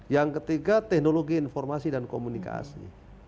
yang ketiga teknologi informasi dan komunikasi